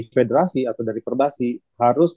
federasi atau dari perbasi harus